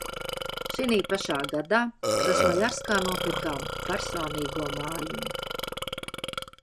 Šinī pašā gadā Krasnojarskā nopirkām personīgo mājiņu.